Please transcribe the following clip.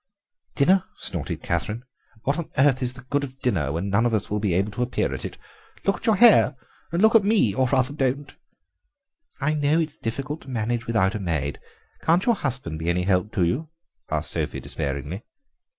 "Dinner!" snorted Catherine, "what on earth is the good of dinner when none of us will be able to appear at it? Look at your hair—and look at me! or rather, don't." "I know it's difficult to manage without a maid; can't your husband be any help to you?" asked Sophie despairingly.